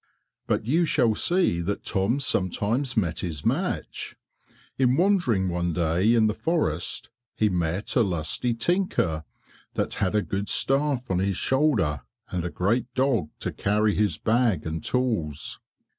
But you shall see that Tom sometimes met his match. In wandering one day in the forest he met a lusty tinker that had a good staff on his shoulder, and a great dog to carry his bag and tools.